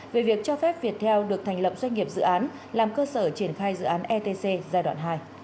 về việc cho phép việt theo được thành lập doanh nghiệp dự án làm cơ sở triển khai dự án etc giai đoạn hai